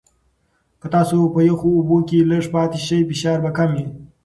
که تاسو په یخو اوبو کې لږ پاتې شئ، فشار به کم وي.